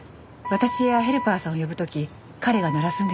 私やヘルパーさんを呼ぶ時彼が鳴らすんです。